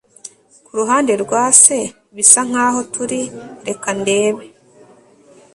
Ku ruhande rwa se bisa nkaho turi reka ndebe